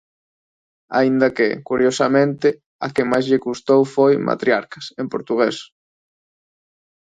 Aínda que, curiosamente, a que máis lle custou foi 'Matriarcas', en portugués.